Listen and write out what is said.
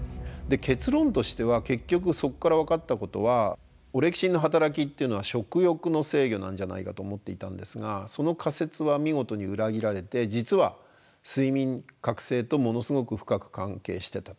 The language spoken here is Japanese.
結論としては結局そこから分かったことはオレキシンの働きっていうのは食欲の制御なんじゃないかと思っていたんですがその仮説は見事に裏切られて実は睡眠覚醒とものすごく深く関係してたと。